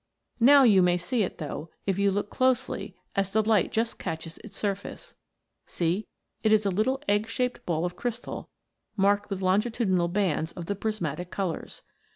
Now you may see it, though, if you look closely as the light just catches its sur face. See, it is a little egg shaped ball of crystal, marked with longitudinal bands of the prismatic colours.